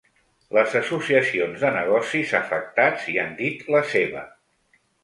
Les associacions de negocis afectats hi han dit la seva.